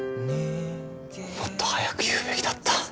もっと早く言うべきだった。